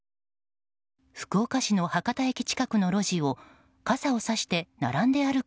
福岡市の博多駅近くの路地を傘をさして並んで歩く